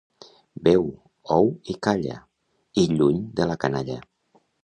Veu, ou i calla, i lluny de la canalla.